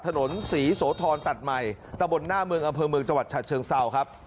ถนนศรีโสธรตัดใหม่แต่บนหน้าเมืองอเมืองเจาะชะเชิงเศร้าครับ